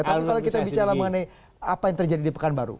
tapi kalau kita bicara mengenai apa yang terjadi di pekanbaru